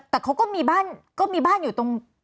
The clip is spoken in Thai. แต่เขาก็มีบ้านอยู่ตรง